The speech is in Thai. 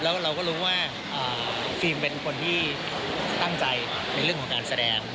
แล้วเราก็รู้ว่าฟิล์มเป็นคนที่ตั้งใจในเรื่องของการแสดง